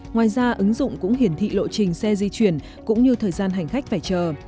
ngoài ra ứng dụng cũng hiển thị lộ trình xe di chuyển cũng như thời gian hành khách phải chờ